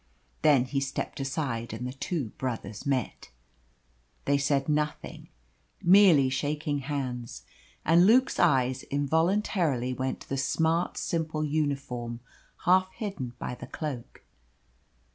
Then he stepped aside, and the two brothers met. They said nothing, merely shaking hands, and Luke's eyes involuntarily went to the smart, simple uniform half hidden by the cloak.